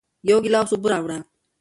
یو گیلاس اوبه راوړه